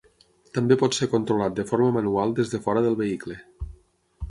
També pot ser controlat de forma manual des de fora del vehicle.